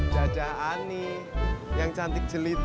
jadah ani yang cantik jelita